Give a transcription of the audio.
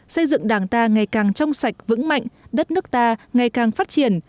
xây dựng đảng ta ngày càng trong sạch vững mạnh đất nước ta ngày càng phát triển